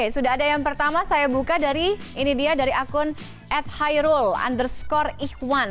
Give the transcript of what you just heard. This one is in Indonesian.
sudah ada yang pertama saya buka dari akun adhairul underscore ihwan